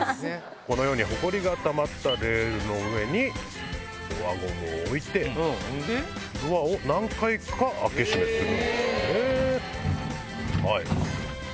このようにホコリがたまったレールの上に輪ゴムを置いてドアを何回か開け閉めするんですね。